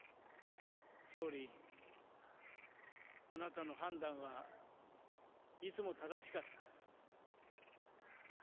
総理、あなたの判断はいつも正しかった。